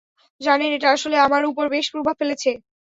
জানেন, এটা আসলে আমার উপর বেশ প্রভাব ফেলেছে।